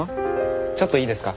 ちょっといいですか？